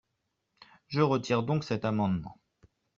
Je retire donc cet amendement.